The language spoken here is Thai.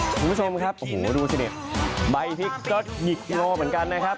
คุณผู้ชมครับโอ้โหดูสิเนี่ยใบพริกก็หยิบกิโลเหมือนกันนะครับ